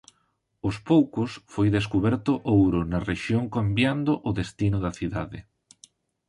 Aos poucos foi descuberto ouro na rexión cambiando o destino da cidade.